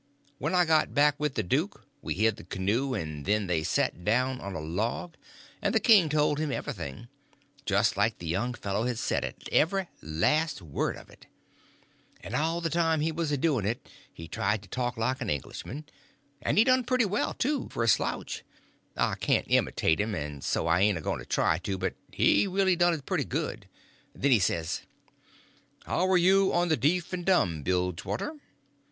When I got back with the duke we hid the canoe, and then they set down on a log, and the king told him everything, just like the young fellow had said it—every last word of it. And all the time he was a doing it he tried to talk like an Englishman; and he done it pretty well, too, for a slouch. I can't imitate him, and so I ain't a going to try to; but he really done it pretty good. Then he says: "How are you on the deef and dumb, Bilgewater?"